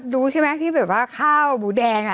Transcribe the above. รู้สวยไหมที่เวอร์ว่าข้าวหมูแดง